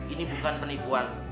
ini bukan penipuan